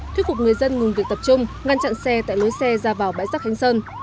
thuyết phục người dân ngừng việc tập trung ngăn chặn xe tại lối xe ra vào bãi rác khánh sơn